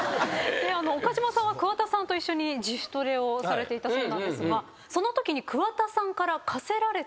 岡島さんは桑田さんと一緒に自主トレをされていたそうなんですがそのときに。